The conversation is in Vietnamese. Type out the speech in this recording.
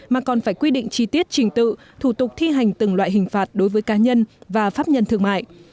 mà còn phải quy định chi tiết trình tự thủ tục thi hành từng loại hình phạt đối với cá nhân và pháp nhân thương mại